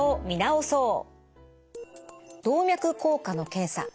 動脈硬化の検査。